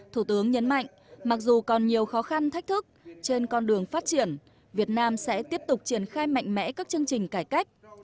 thủ tướng nhấn mạnh mặc dù còn nhiều khó khăn thách thức trên con đường phát triển việt nam sẽ tiếp tục triển khai mạnh mẽ các chương trình cải cách